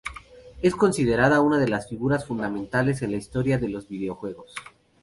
Es considerada una de las figuras fundamentales en la historia de los video juegos.